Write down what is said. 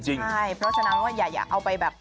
ใช่เพราะฉะนั้นว่าอย่าเอาไปแบบ